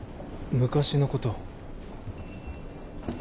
昔のこと？